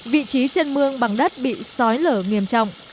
vị trí chân mương bằng đất bị sói lở nghiêm trọng